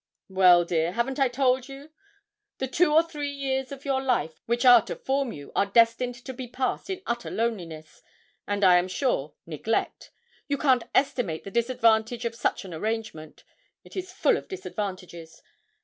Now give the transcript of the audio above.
'Well, dear, haven't I told you? The two or three years of your life which are to form you are destined to be passed in utter loneliness, and, I am sure, neglect. You can't estimate the disadvantage of such an arrangement. It is full of disadvantages.